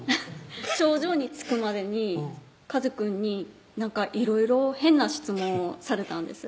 頂上に着くまでにかずくんにいろいろ変な質問をされたんです